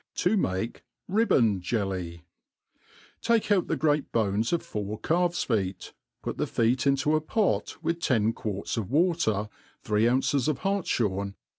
7i make Ribbcnd Jelly. TAKE out the great bones of four calves feet, put the feet into a pot with ten quarts of water, three ounces or hartfhorc^